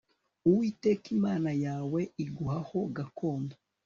uwiteka imana yawe iguha ho gakondo